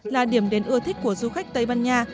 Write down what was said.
là điểm đến ưa thích của du khách tây ban nha